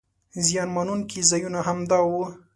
زیان مننونکي ځایونه همدا وو.